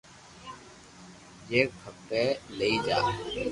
جي کپي لئي جا